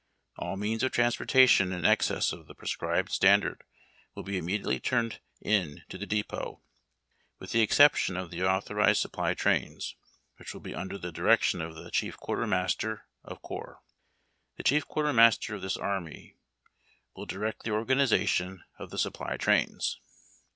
All means of transportation in excess of th.e prescribed standard will be immediately turned in to the depot, with ' the exception of the authorized supply trains, which will be under the direction of the Chief Quartermasters of Corps. The Chief Quartermaster' of this Army will direct the organization of the supply trains.